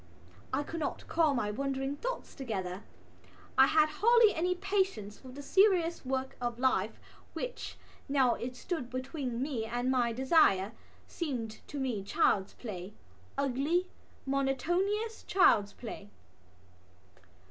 I could not call my wandering thoughts together. I had hardly any patience with the serious work of life which, now that it stood between me and my desire, seemed to me child's play, ugly monotonous child's play.